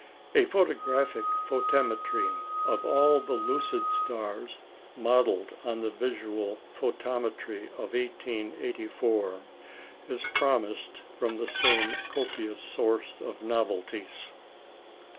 A photographic photometry of all the lucid stars, modelled on the visual photometry of 1884, is promised from the same copious source of novelties.